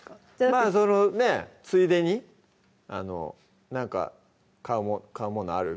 まぁそのねついでに何か買うものある？